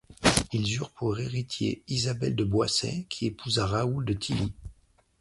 Ils eurent pour héritier Isabelle de Boissey qui épousa Raoul de Tilly.